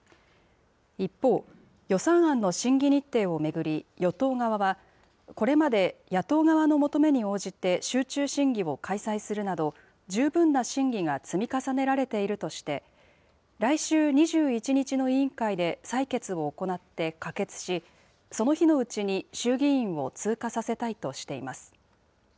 一方、予算案の審議日程を巡り、与党側は、これまで野党側の求めに応じて集中審議を開催するなど、十分な審議が積み重ねられているとして、来週２１日の委員会で採決を行って可決し、その日のうちに衆議院を通過させたいとしています。